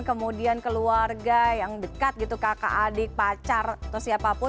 kemudian keluarga yang dekat gitu kakak adik pacar atau siapapun